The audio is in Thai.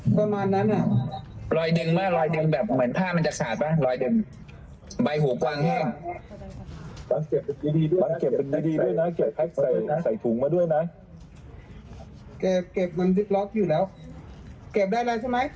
เก็บได้เลยใช่ไหม